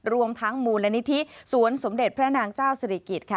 รวมทั้งมูลนิธิสวนสมเด็จพระนางเจ้าศิริกิจค่ะ